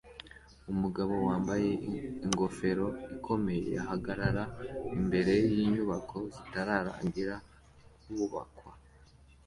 Umugabo wambaye ingofero ikomeye ahagarara imbere yinyubako zitararangira kubakwa